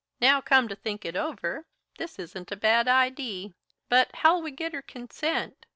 Now, come to think it over, this isn't a bad idee. But, how'll we git her consent?